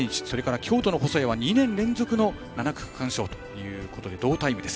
京都の細谷は２年連続の７区区間賞ということで同タイムです。